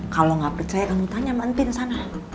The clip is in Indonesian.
kalo gak percaya kamu tanya maksudnya sana